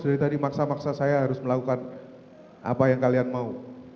dari tadi maksa maksa saya harus melakukan apa yang kalian mau